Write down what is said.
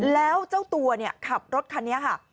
แล้วเจ้าตัวขับรถคันนี้ค่ะ